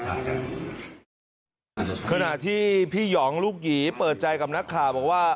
ขณะที่พี่หองลูกหยีเปิดใจกับนักข่าวบอกว่า